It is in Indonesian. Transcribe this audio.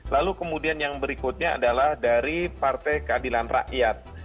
lalu kemudian yang berikutnya adalah dari partai keadilan rakyat